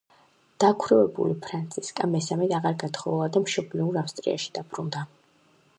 დაქვრივებული ფრანცისკა მესამედ აღარ გათხოვილა და მშობლიურ ავსტრიაში დაბრუნდა.